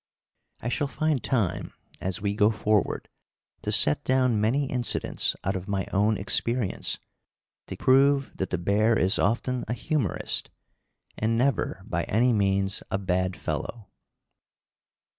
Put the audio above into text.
I shall find time, as we go forward, to set down many incidents out of my own experience to prove that the bear is often a humorist, and never by any means a bad fellow.